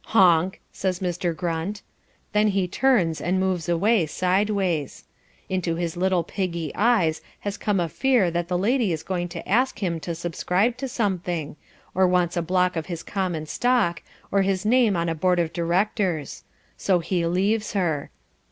"Honk!" says Mr. Grunt. Then he turns and moves away sideways. Into his little piggy eyes has come a fear that the lady is going to ask him to subscribe to something, or wants a block of his common stock, or his name on a board of directors. So he leaves her.